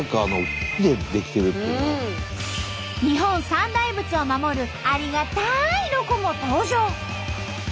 日本三大仏を守るありがたいロコも登場。